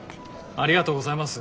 ありがとうございます。